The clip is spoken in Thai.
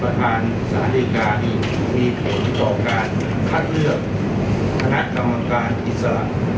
ประธานสาธิกามีผลต่อการคัดเลือกถนัดกำลังการอิสระ